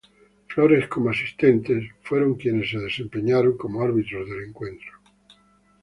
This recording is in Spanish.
Flores como asistentes, fueron quienes se desempeñaron como árbitros del encuentro.